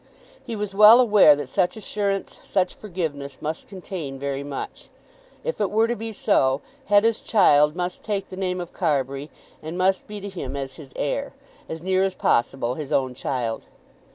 He was well aware that such assurance, such forgiveness, must contain very much. If it were to be so, Hetta's child must take the name of Carbury, and must be to him as his heir, as near as possible his own child.